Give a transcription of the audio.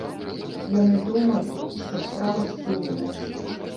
Яны думалі, што справа спыненая.